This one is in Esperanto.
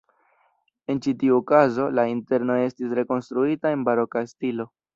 En ĉi tiu okazo la interno estis rekonstruita en baroka stilo.